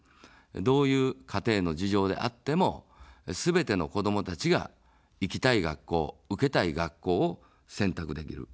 どういう家庭の事情であっても、すべての子どもたちが行きたい学校、受けたい学校を選択できる。